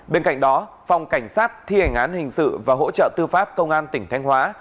bên cạnh đó phòng cảnh sát thi hành án hình sự và hỗ trợ tư pháp công an tỉnh thanh hóa